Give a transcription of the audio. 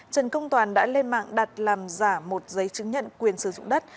trần công toàn đã lên mạng đặt làm giả một giấy chứng nhận quyền sử dụng đất